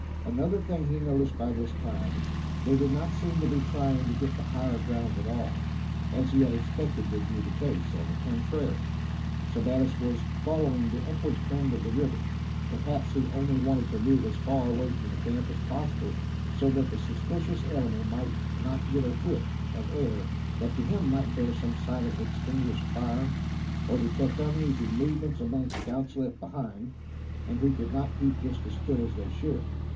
Another thing he noticed by this time. They did not seem to be trying to get to higher ground at all, as he had expected would be the case. On the contrary, Sebattis was following the upward trend of the river. Perhaps he only wanted to move as far away from the camp as possible, so that the suspicious animal might not get a whiff of air that, to him, might bear some sign of the extinguished fire; or detect uneasy movements among the scouts left behind, and who could not keep just as still as they should.